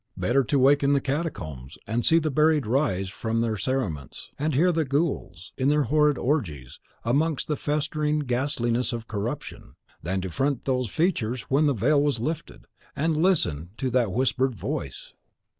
Better to wake in the catacombs and see the buried rise from their cerements, and hear the ghouls, in their horrid orgies, amongst the festering ghastliness of corruption, than to front those features when the veil was lifted, and listen to that whispered voice!